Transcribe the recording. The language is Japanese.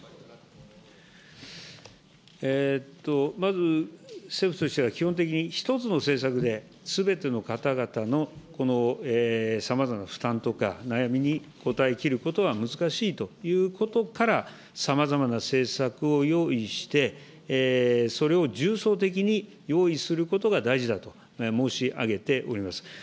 まず、政府としては基本的に、１つの政策ですべての方々のさまざまな負担とか悩みに応えきることは難しいということから、さまざまな政策を用意して、それを重層的に用意することが大事だと申し上げております。